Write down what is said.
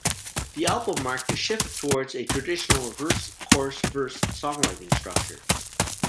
The album marked a shift towards a traditional verse-chorus-verse songwriting structure.